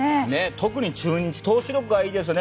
特に中日は投手力がいいですね。